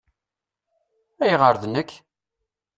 Ayɣeṛ d nekk?